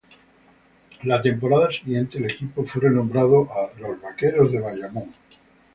La temporada siguiente el equipo fue renombrado a Los Vaqueros de Bayamón.